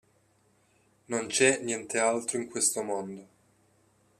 Non c'è niente altro in questo mondo.